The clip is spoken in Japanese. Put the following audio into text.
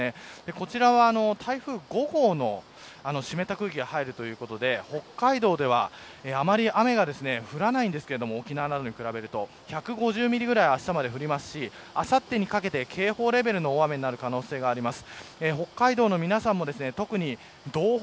こちらは台風５号の湿った空気が入るということで北海道ではあまり雨が降らないんですけど沖縄などに比べると１５０ミリぐらいあしたは降りますしあさってにかけて警報レベルの大雨になる可能性があります。